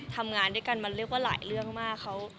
ทำท้ายหลายเรื่องมาก